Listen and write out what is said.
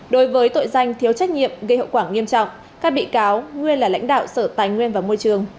đối với tội danh thiếu trách nhiệm gây hậu quả nghiêm trọng các bị cáo nguyên là lãnh đạo sở tài nguyên và môi trường